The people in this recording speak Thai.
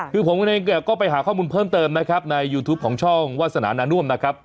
คือผมเองเนี่ยก็ไปหาข้อมูลเพิ่มเติมนะครับในยูทูปของช่องวาสนานาน่วมนะครับ